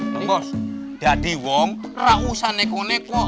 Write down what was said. tunggu jadi orang nggak usah neko neko